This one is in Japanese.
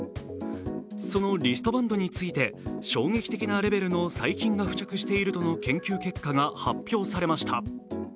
そのリストバンドについて衝撃的なレベルの細菌が付着しているとの研究結果が発表されました。